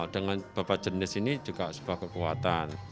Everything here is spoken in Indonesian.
dengan beberapa jenis ini juga sebuah kekuatan